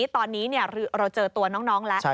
ตอนนี้เราเจอตัวน้องแล้ว